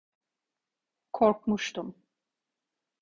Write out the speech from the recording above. Korkmuştum.